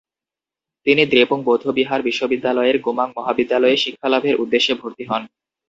তিনি দ্রেপুং বৌদ্ধবিহার বিশ্ববিদ্যালয়ের গোমাং মহাবিদ্যালয়ে শিক্ষালাভের উদ্দেশ্যে ভর্তি হন।